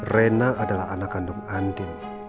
rena adalah anak kandung andin